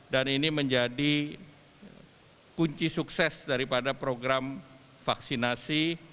dan ini menjadi kunci sukses daripada program vaksinasi